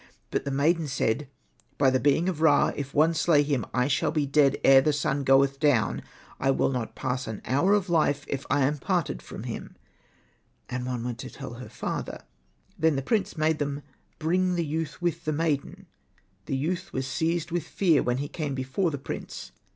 But the maiden said^ *' By the being of Ra, if one slay him I shall be dead ere the sun goeth down. I will not pass an hour of life if I am parted from him." And qiie went to tell her father. Then the prince made them bring the youth with the maiden. The youth was seized with fear when he came before the prince.